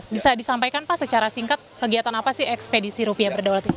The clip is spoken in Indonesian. bisa disampaikan pak secara singkat kegiatan apa sih ekspedisi rupiah berdaulat ini